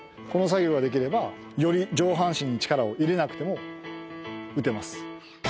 この作業ができればより上半身に力を入れなくても打てます。